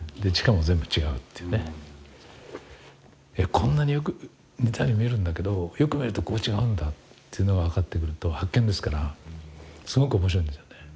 こんなによく似たように見えるんだけどよく見るとここ違うんだというのが分かってくると発見ですからすごく面白いんですよね。